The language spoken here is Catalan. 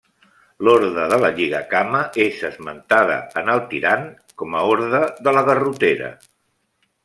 L’Orde de la Lligacama és esmentada en el Tirant com a Orde de la Garrotera.